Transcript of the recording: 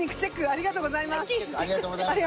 ありがとうございます。